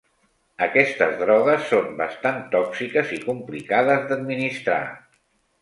Aquestes drogues són bastant tòxiques i complicades d'administrar.